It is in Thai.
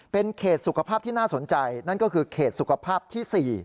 เป็นเขตสุขภาพที่น่าสนใจนั่นก็คือเขตสุขภาพที่๔